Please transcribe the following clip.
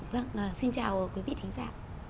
vâng xin chào quý vị thính giả